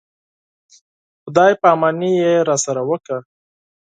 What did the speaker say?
خدای په اماني یې راسره وکړه.